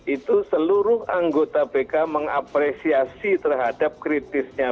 itu seluruh anggota bk mengapresiasi terhadap kritisnya